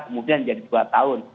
kemudian jadi dua tahun